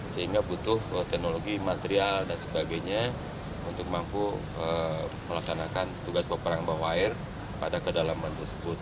sehingga butuh teknologi material dan sebagainya untuk mampu melaksanakan tugas peperang bawah air pada kedalaman tersebut